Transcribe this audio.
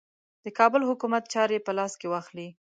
د کابل حکومت چاري په لاس کې واخلي.